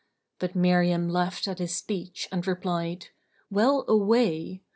But Miriam laughed at his speech and replied, "Well away!